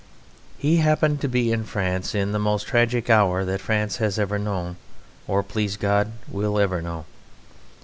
He happened to be in France in the most tragic hour that France has ever known or, please God, will ever know.